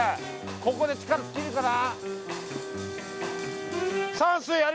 ここで力尽きるかな。